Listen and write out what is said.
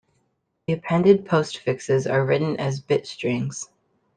The appended postfixes are written as bit strings.